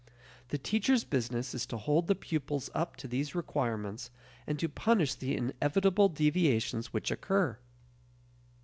The teachers' business is to hold the pupils up to these requirements and to punish the inevitable deviations which occur.